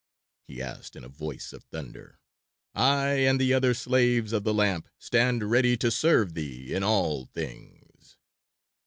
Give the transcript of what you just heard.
he asked in a voice of thunder. "I and the other slaves of the lamp stand ready to serve thee in all things."